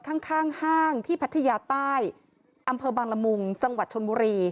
ข้างข้างห้างที่พัทยาใต้อำเภอบางละมุงจังหวัดชนบุรี